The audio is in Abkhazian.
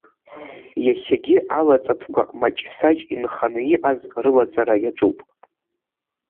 Иахьагьы алаҵатәқәа маҷ-саҷ инханы иҟаз рылаҵара иаҿуп.